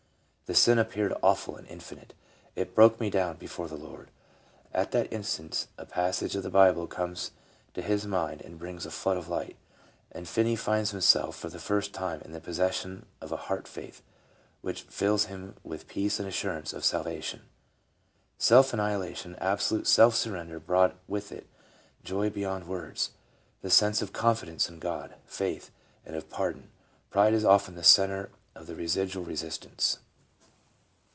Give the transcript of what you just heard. ... The sin ap peared awful and infinite. It broke me down before the Lord." At that instant a passage of the Bible comes to his mind and brings a flood of light, and Finney finds him self for the first time in the possession of a heart faith which fills him with peace and the assurance of salvation. Self annihilation, absolute self surrender brought with it joy be yond words, the sense of confidence in God — Faith — and of pardon. Pride is often the centre of the residual resist ance.